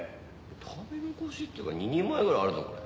食べ残しっていうか２人前ぐらいあるぞこれ。